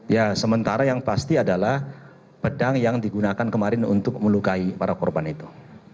ya sementara yang pasti adalah pedang yang digunakan kemarin untuk melukai para korban itu